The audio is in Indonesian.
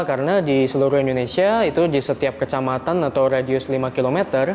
karena di seluruh indonesia itu di setiap kecamatan atau radius lima km